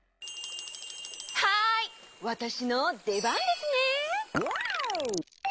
はいわたしのでばんですね！